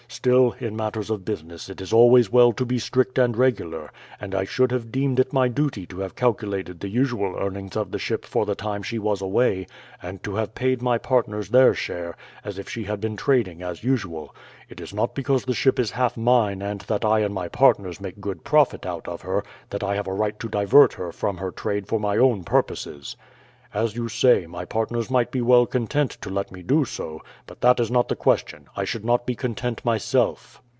Still, in matters of business it is always well to be strict and regular; and I should have deemed it my duty to have calculated the usual earnings of the ship for the time she was away, and to have paid my partners their share as if she had been trading as usual. It is not because the ship is half mine and that I and my partners make good profit out of her, that I have a right to divert her from her trade for my own purposes. As you say, my partners might be well content to let me do so; but that is not the question, I should not be content myself.